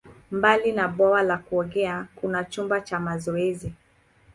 Mbali na bwawa la kuogelea, kuna chumba cha mazoezi.